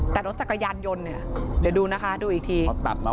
แต่รถจักรยานยนต์เนี่ยเดี๋ยวดูนะคะดูอีกทีเขาตัดมา